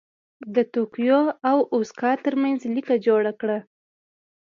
د توکیو او اوساکا ترمنځ لیکه جوړه کړه.